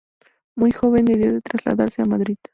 Muy joven debió de trasladarse a Madrid.